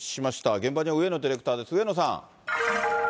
現場には上野ディレクターです。